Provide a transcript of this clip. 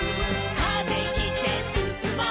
「風切ってすすもう」